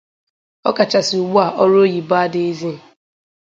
ọkachasị ugbua ọrụ oyibo adịghịzị